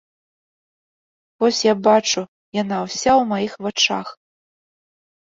Вось я бачу, яна ўся ў маіх вачах.